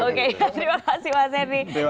oke terima kasih mas henry